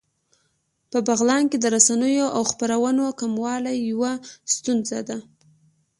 په بغلان کې د رسنیو او خپرونو کموالی يوه ستونزه ده